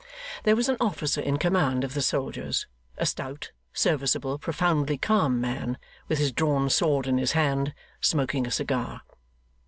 There was an officer in command of the soldiers; a stout, serviceable, profoundly calm man, with his drawn sword in his hand, smoking a cigar.